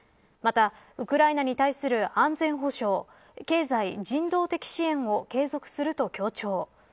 またウクライナに対する安全保障経済、人道的支援を継続すると強調。